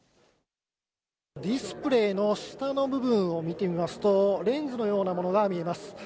ディスプレーの下の部分を見てみますと、レンズのようなものが見えます。